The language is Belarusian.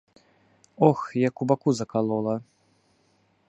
Ох, як у баку закалола.